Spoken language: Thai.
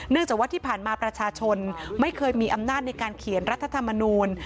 จากว่าที่ผ่านมาประชาชนไม่เคยมีอำนาจในการเขียนรัฐธรรมนูล